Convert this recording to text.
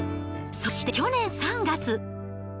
そして去年３月。